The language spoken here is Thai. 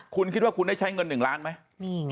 คุณคิดว่าคุณได้ใช้เงิน๑ล้านไหม